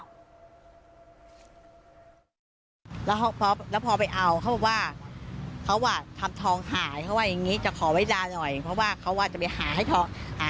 วเป็นพบแล้วพอไปเอาเขาว่าเขาหวัดทำทองหายเพราะไว้นี้จะขอเวลาหน่อยเพราะว่าเขาว่าจะไปหาให้ต้องหา